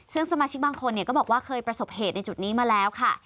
ซึ่งสมาชิกบางคนก็บอกว่าเคยประสบเหตุในจุดนี้มาแล้วค่ะ